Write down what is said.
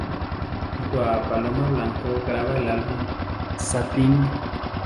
Junto a Paloma Blanco graba el álbum "Satin...